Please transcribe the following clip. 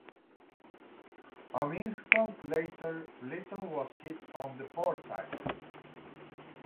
An instant later "Little" was hit on the portside.